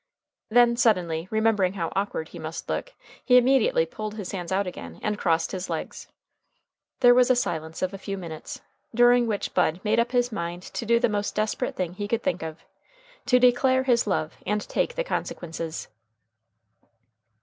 Then, suddenly remembering how awkward he must look, he immediately pulled his hands out again, and crossed his legs. There was a silence of a few minutes, during which Bud made up his mind to do the most desperate thing he could think of to declare his love and take the consequences.